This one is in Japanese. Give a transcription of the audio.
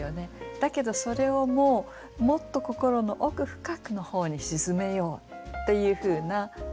だけどそれをもうもっとこころの奥深くの方に沈めようっていうふうな思いなんですよね。